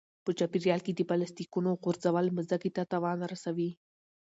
په چاپیریال کې د پلاستیکونو غورځول مځکې ته تاوان رسوي.